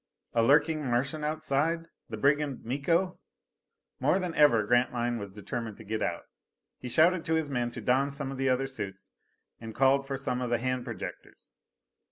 A lurking Martian outside? The brigand, Miko? More than ever, Grantline was determined to get out. He shouted to his men to don some of the other suits, and called for some of the hand projectors.